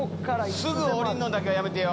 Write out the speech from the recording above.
すぐ下りるのはやめてよ。